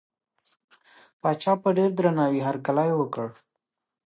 پاچا په ډېر درناوي هرکلی وکړ.